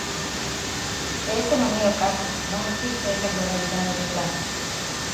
E este non é o caso, non existe esa globalidade do plan.